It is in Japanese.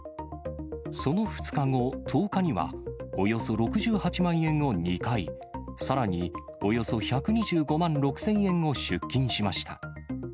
その２日後、１０日にはおよそ６８万円を２回、さらにおよそ１２５万６０００円を出金しました。